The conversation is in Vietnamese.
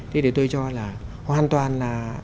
thì để tôi cho là hoàn toàn là